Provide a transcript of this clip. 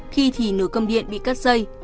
khi thì nửa cơm điện bị cắt dây